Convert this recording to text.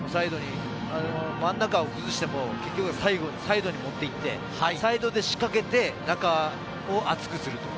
真ん中を崩しても、結局サイドに持っていって、サイドで仕掛けて、中を厚くする。